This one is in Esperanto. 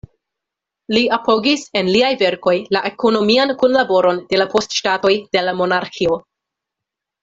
Li apogis en liaj verkoj la ekonomian kunlaboron de la post-ŝtatoj de la Monarĥio.